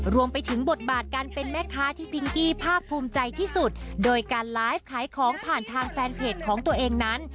รวมไปถึงบทบาทการเป็นแม่ค้าที่พิงกี้ภาคภูมิใจที่สุดโดยการไลฟ์ขายของผ่านทางแฟนเพจของตัวเองนั้น